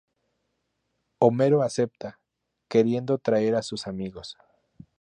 Homero acepta, queriendo traer a sus amigos.